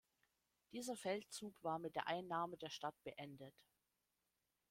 Dieser Feldzug war mit der Einnahme der Stadt beendet.